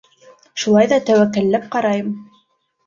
Шулай ҙа тәүәккәлләп ҡарайым.